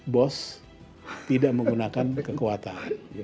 bos tidak menggunakan kekuatan